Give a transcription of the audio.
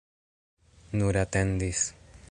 Nur atendis.